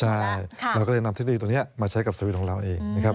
ใช่เราก็ไปนำเทคโนโลยีตัวนี้มาใช้กับสวิตช์ของเราเอง